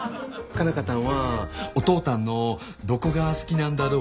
佳奈花たんはお父たんのどこが好きなんだろうか？